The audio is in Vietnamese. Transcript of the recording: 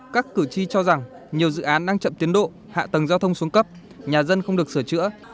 các cử tri cho rằng nhiều dự án đang chậm tiến độ hạ tầng giao thông xuống cấp nhà dân không được sửa chữa